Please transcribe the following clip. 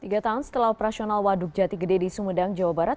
tiga tahun setelah operasional waduk jati gede di sumedang jawa barat